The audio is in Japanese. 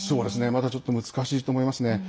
まだちょっと難しいと思いますね。